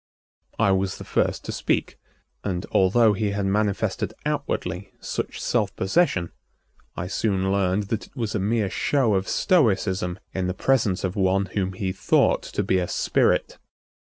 I was the first to speak, and although he had manifested outwardly such self possession, I soon learned that it was a mere show of stoicism in the presence of one whom he thought to be a spirit.